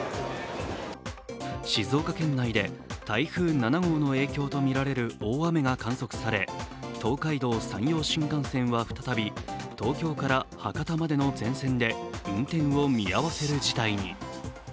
静岡県内で台風７号の影響とみられる大雨が観測され、東海道・山陽新幹線は再び東京から博多までの全線で運転を見合わせる事態に。